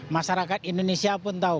masyarakat indonesia pun tahu